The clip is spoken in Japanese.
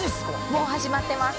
もう始まってます。